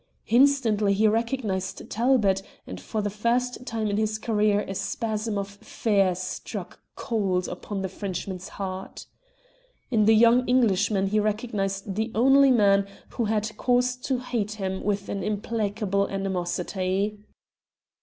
Instantly he recognized Talbot, and for the first time in his career a spasm of fear struck cold upon the Frenchman's heart. In the young Englishman he recognized the only man who had cause to hate him with an implacable animosity.